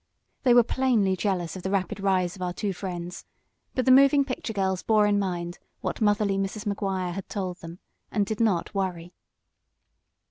They were plainly jealous of the rapid rise of our two friends, but the moving picture girls bore in mind what motherly Mrs. Maguire had told them, and did not worry.